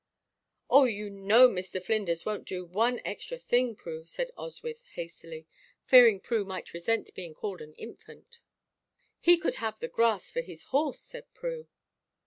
"Oh, you know Mr. Flinders won't do one thing extra, Prue," said Oswyth, hastily, fearing Prue might resent being called an infant. "He could have the grass for his horse," said Prue.